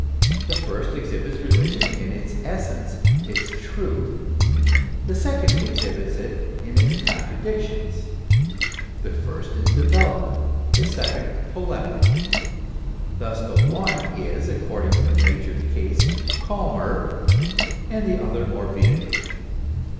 The first exhibits religion in its essence, its truth, the second exhibits it in its contradictions; the first is development, the second polemic ; thus the one is, according to the nature of the case, calmer, the other more vehement.